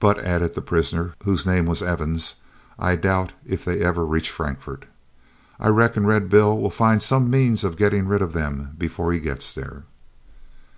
"But," added the prisoner, whose name was Evans, "I doubt if they ever reach Frankfort. I reckon Red Bill will find some means of getting rid of them before he gets there."